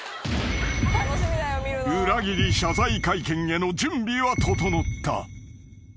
［裏切り謝罪会見への準備は整った］